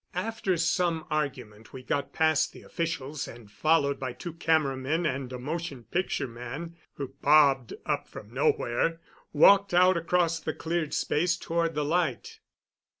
After some argument we got past the officials, and, followed by two camera men and a motion picture man who bobbed up from nowhere, walked out across the cleared space toward the light.